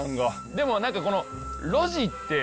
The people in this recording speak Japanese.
でも何かこの路地って。